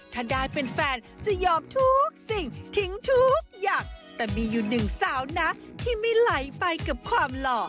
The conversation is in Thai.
ถ้าได้เป็นแฟนจะยอมทุกสิ่งทิ้งทุกอย่างแต่มีอยู่หนึ่งสาวนะที่ไม่ไหลไปกับความหล่อ